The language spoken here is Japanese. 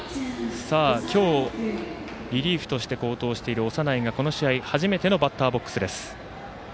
今日、リリーフとして好投している長内がこの試合、初めてのバッターボックスです。